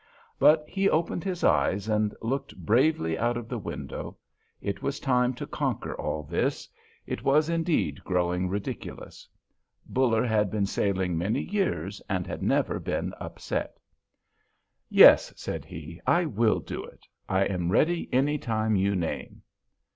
But he opened his eyes and looked bravely out of the window; it was time to conquer all this; it was indeed growing ridiculous. Buller had been sailing many years and had never been upset. "Yes," said he; "I will do it; I am ready any time you name."